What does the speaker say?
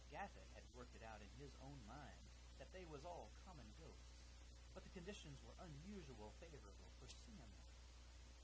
Gaffett had worked it out in his own mind that they was all common ghosts, but the conditions were unusual favorable for seeing them.